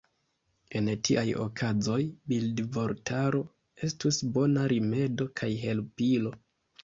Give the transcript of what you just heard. En tiaj okazoj, bildvortaro estus bona rimedo kaj helpilo.